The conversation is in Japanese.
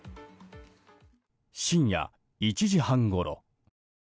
深夜１時半ごろ。